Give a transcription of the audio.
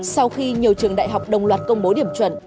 sau khi nhiều trường đại học đồng loạt công bố điểm chuẩn